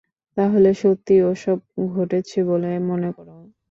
তাহলে, সত্যিই ওসব ঘটেছে বলে মনে করো?